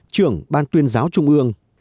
trưởng ban tuyên giáo trung ương